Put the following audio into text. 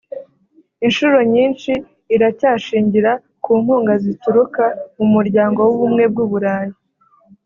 inshuro nyinshi iracyashingira ku nkunga zituruka mu Muryango w’Ubumwe bw’u Burayi